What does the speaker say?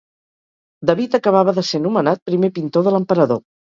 David acabava de ser nomenat primer pintor de l'emperador.